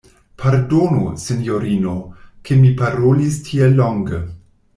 Pardonu, sinjorino, ke mi parolis tiel longe.